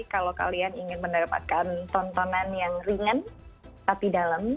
kalau kalian ingin mendapatkan tontonan yang ringan tapi dalam